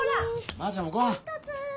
ばあちゃんもごはん！